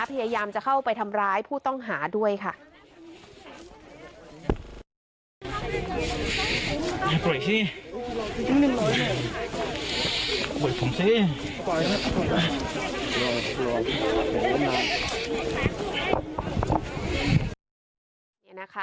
พยายามจะเข้าไปทำร้ายผู้ต้องหาด้วยค่ะ